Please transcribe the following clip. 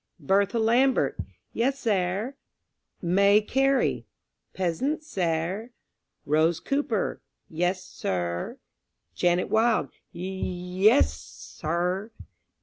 "Bertha Lambert."... "Yes, 'air." "May Carey."... "Pesin', sair." "Rose Cooper."... "Yes, sir." "Janet Wild."... "Y y yes, s sir."